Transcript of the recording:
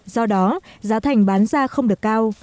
do đó giá thành bán ra không được cao